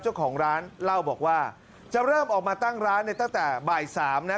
เจ้าของร้านเล่าบอกว่าจะเริ่มออกมาตั้งร้านในตั้งแต่บ่าย๓นะ